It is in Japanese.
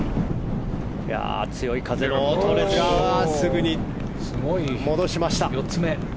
強い風の音ですがすぐに戻しました。